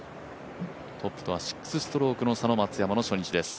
トップとは６ストロークの差の松山です。